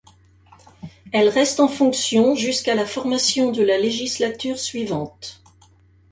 Elle reste en fonction jusqu'à la formation de la législature suivante.